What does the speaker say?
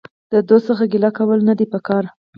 د دوست څخه ګيله کول نه دي په کار.